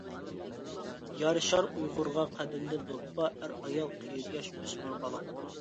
يارىشار ئۇيغۇرغا قەدىمدىن دوپپا، ئەر-ئايال، قېرى-ياش، ئۆسمۈر بالىغا.